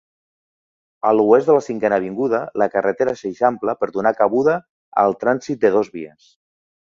A l'oest de la Cinquena Avinguda, la carretera s'eixampla per donar cabuda al trànsit de dos vies.